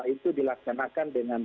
itu dilaksanakan dengan